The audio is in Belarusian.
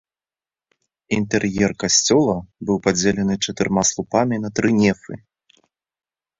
Інтэр'ер касцёла быў падзелены чатырма слупамі на тры нефы.